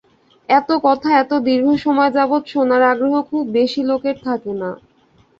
এত কথা এত দীর্ঘ সময় যাবত শোনার আগ্রহ খুব বেশি লোকের থাকে না।